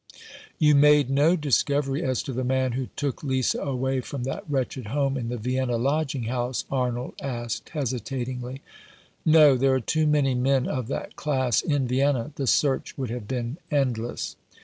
"You made no discovery as to the man who took Lisa away from that wretched home in the Vienna lodging house," Arnold asked, hesitatingly. 313 Rough Justice. " No ; there are too many men of that class in Vienna. The search would have been endless."